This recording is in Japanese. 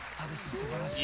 すばらしい。